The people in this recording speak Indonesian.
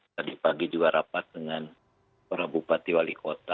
tadi pagi juga rapat dengan para bupati wali kota